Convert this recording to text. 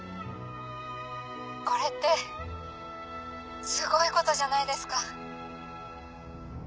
これってすごいことじゃないですか。